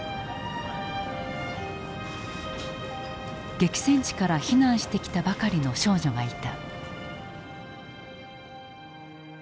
激戦地から避難してきたばかりの少女がいた。